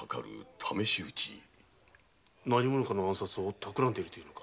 何者かの暗殺をたくらんでいるというのか？